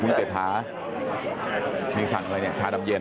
คุณเศรษฐามีสั่งอะไรเนี่ยชาดำเย็น